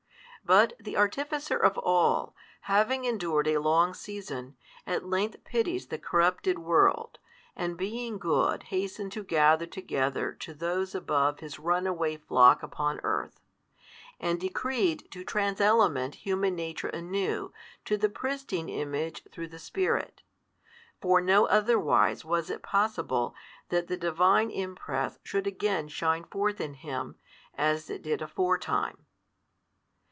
But the Artificer of all, having endured a long season, at length pities the corrupted world, and being Good hastened to gather together to those above His runaway flock upon earth; and decreed to trans element human nature anew to the pristine Image through the Spirit. For no otherwise was it possible that the Divine Impress should again shine forth in him, as it did aforetime.